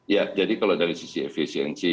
ya jadi kalau dari sisi efisiensi